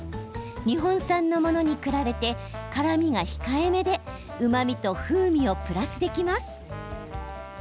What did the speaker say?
日本産のものに比べて辛みが控えめでうまみと風味をプラスできます。